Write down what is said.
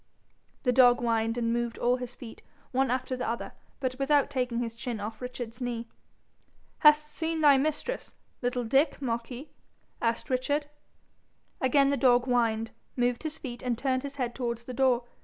The dog whined, and moved all his feet, one after the other, but without taking his chin off Richard's knee. 'Hast seen thy mistress, little Dick, Marquis?' asked Richard. Again the dog whined, moved his feet, and turned his head towards the door.